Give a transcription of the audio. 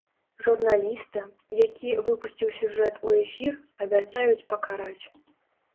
Журналіста, які выпусціў сюжэт у эфір, абяцаюць пакараць.